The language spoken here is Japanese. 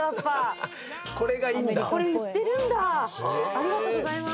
ありがとうございます。